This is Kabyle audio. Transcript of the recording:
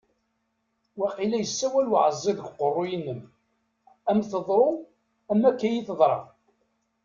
Waqila yessawal uɛeẓẓi deg uqerru-inem ad am-teḍru am akka i iyi-teḍra.